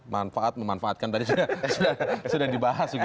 manfaat memanfaatkan tadi sudah dibahas begitu